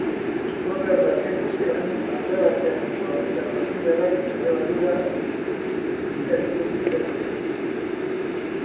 Korner baten ostean aldaratzea jaso eta brasildarrak sare barrura bidali du errematea.